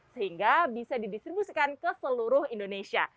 sehingga bisa didistribusikan ke seluruh indonesia